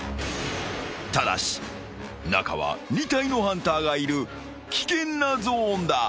［ただし中は２体のハンターがいる危険なゾーンだ］